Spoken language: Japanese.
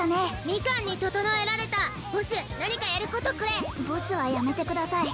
ミカンに整えられたボス何かやることくれボスはやめてください